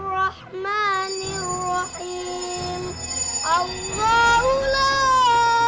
sekarang diinjak injak martabatnya